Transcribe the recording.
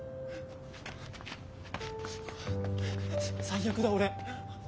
最悪だ俺。